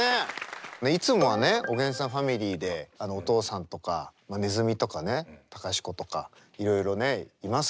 いつもはねおげんさんファミリーでお父さんとかねずみとかね隆子とかいろいろねいますけども。